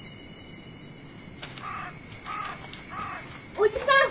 おじさん！